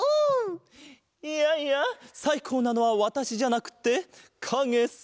いやいやさいこうなのはわたしじゃなくってかげさ！